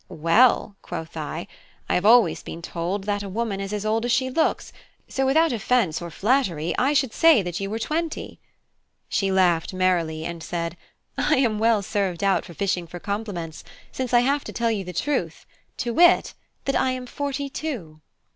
"Well," quoth I, "I have always been told that a woman is as old as she looks, so without offence or flattery, I should say that you were twenty." She laughed merrily, and said, "I am well served out for fishing for compliments, since I have to tell you the truth, to wit, that I am forty two."